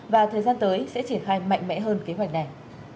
và thời gian tới sẽ triển khai mạnh mẽ hơn kế hoạch này